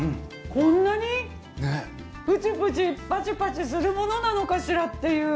こんなにプチプチパチパチするものなのかしらっていう。